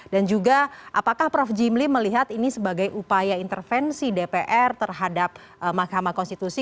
dan juga apakah prof jimbly melihat ini sebagai upaya intervensi dpr terhadap mahkamah konstitusi